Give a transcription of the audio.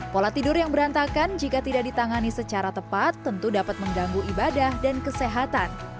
pola tidur yang berantakan jika tidak ditangani secara tepat tentu dapat mengganggu ibadah dan kesehatan